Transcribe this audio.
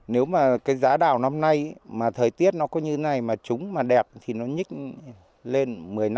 nếu giá đào năm nay thời tiết có như thế này thì nó nhích lên một mươi hai mươi